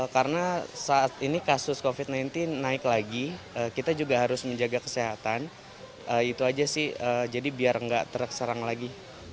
karena saat ini kasus covid sembilan belas naik lagi kita juga harus menjaga kesehatan itu aja sih jadi biar nggak terserang lagi